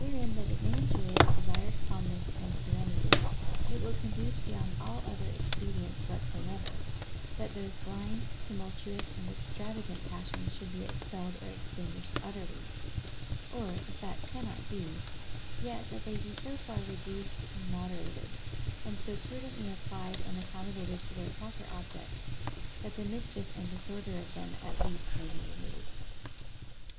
Wherein that it may enjoy its desired calmness and serenity, it will conduce beyond all other expedients whatsoever, that those blind, tumultuous, and extravagant passions should be ex pelled or extinguished utterly ; or, if that cannot be, yet that they be so far reduced and moderated, and so pru dently applied and accommodated to their proper objects, that the mischief and disorder of them (at least) may be removed.